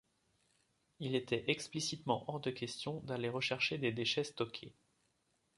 Il était explicitement hors de question d'aller rechercher les déchets stockés.